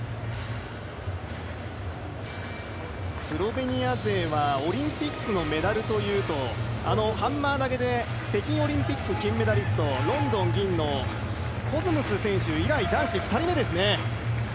スロベニア勢はオリンピックのメダルというとハンマー投げで北京オリンピック金メダリスト、ロンドン銀のコズムス選手以来、２人目ですね。